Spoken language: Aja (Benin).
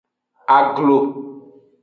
Aglo.